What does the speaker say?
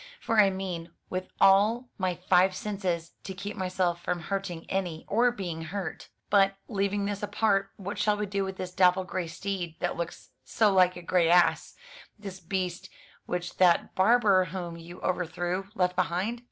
For I mean, with all my five senses, to keep myself from hurting any, or being hurt. But, leaving this apart, what shall we do with this dapple grey steed, that looks so like a grey ass? This beast which that barber whom you overthrew left behind?